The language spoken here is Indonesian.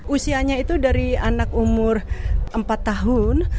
usianya itu dari anak umur empat tahun